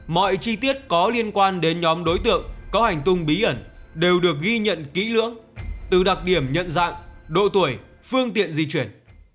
mọi chi tiết có liên quan đến nhóm đối tượng có hành tung bí ẩn đều được ghi nhận kỹ lưỡng từ đặc điểm nhận dạng độ tuổi phương tiện di chuyển